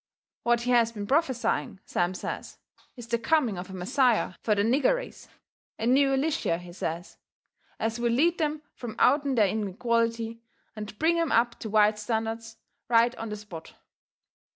What he has been prophesying, Sam says, is the coming of a Messiah fur the nigger race a new Elishyah, he says, as will lead them from out'n their inequality and bring 'em up to white standards right on the spot.